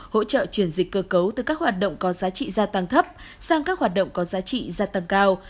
hỗ trợ chuyển dịch cơ cấu từ các hoạt động có giá trị gia tăng thấp sang các hoạt động có giá trị gia tăng cao